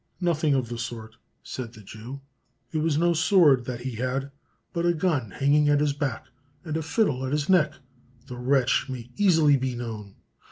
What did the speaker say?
"Nothing of the sort!" said the Jew; "it was no sword that he had, but a gun hanging at his back, and a fiddle at his neck; the wretch may easily be known."